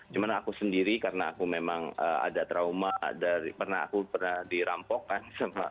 cuma aku sendiri karena aku memang ada trauma dari pernah aku pernah dirampokkan